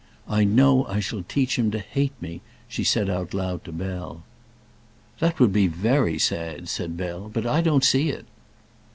"I know I shall teach him to hate me," she said out loud to Bell. "That would be very sad," said Bell; "but I don't see it."